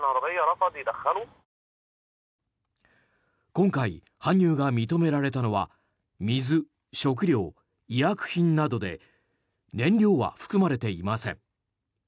今回、搬入が認められたのは水、食料、医薬品などで燃料は含まれていません。